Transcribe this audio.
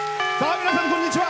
皆さん、こんにちは。